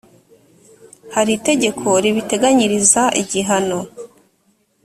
hari itegeko ribiteganyiriza igihano